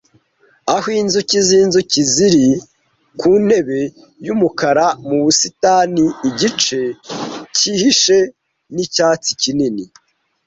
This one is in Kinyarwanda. Aho inzuki zinzuki ziri ku ntebe yumukara mu busitani igice cyihishe nicyatsi kinini,